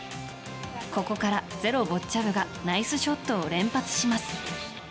ここから「ｚｅｒｏ」ボッチャ部がナイスショットを連発します。